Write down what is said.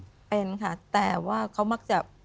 เป็นค่ะแต่ว่าเขามักจะ